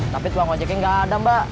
tapi tukang ojeknya nggak ada mbak